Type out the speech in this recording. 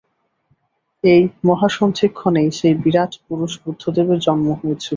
এই মহাসন্ধিক্ষণেই সেই বিরাট পুরুষ বুদ্ধদেবের জন্ম হয়েছিল।